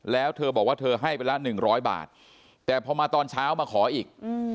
แล้วเธอบอกว่าเธอให้ไปละ๑๐๐บาทแต่พอมาตอนเช้ามาขออีก